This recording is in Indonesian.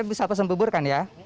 mas mau pesen bubur kan ya